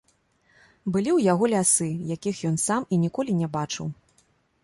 Былі ў яго лясы, якіх ён і сам ніколі не бачыў.